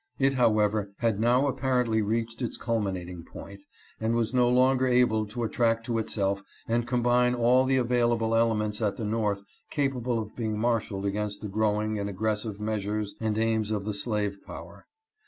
It, however, had now apparently reached its culminating point, and was no longer able to attract to itself and combine all the available elements at the North capable of being mar shaled against the growing and aggressive measures and aims of the slave power.